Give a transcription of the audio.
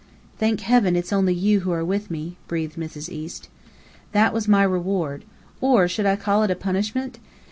"Thank heaven it's only you who are with me!" breathed Mrs. East. That was my reward. Or should I call it a punishment?